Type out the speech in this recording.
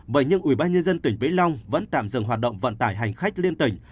vậy nhưng ubnd tỉnh vĩ long vẫn tạm dừng hoạt động vận tải hành khách liên tỉnh